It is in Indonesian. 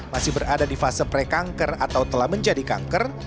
masih berada di fase pre kanker atau telah menjadi kanker